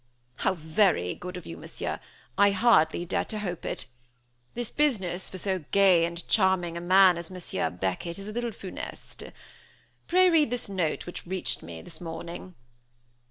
"How very good of you, Monsieur, I hardly dare to hope it. The business, for so gay and charming a man as Monsieur Beckett, is a little funeste. Pray read this note which reached me this morning."